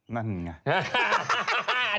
นั่นไง